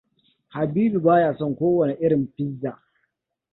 Habibu baya son ko wani irin pizza.